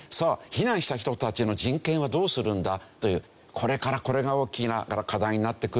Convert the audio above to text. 避難した人たちの人権はどうするんだというこれからこれが大きな課題になってくると思うんですよね。